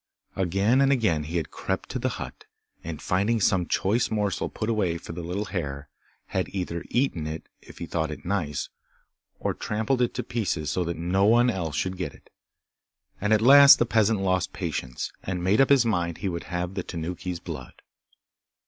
Again and again he had crept to the hut, and finding some choice morsel put away for the little hare, had either eaten it if he thought it nice, or trampled it to pieces so that no one else should get it, and at last the peasant lost patience, and made up his mind he would have the Tanuki's blood.